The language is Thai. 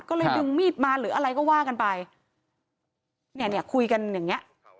ก็เลยดึงมีดมาหรืออะไรก็ว่ากันไปเนี่ยเนี่ยคุยกันอย่างเงี้ย